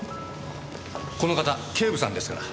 この方警部さんですから。